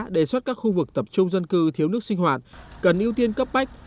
đề xuất các khu vực tập trung dân cư thiếu nước sinh hoạt cần ưu tiên cấp bách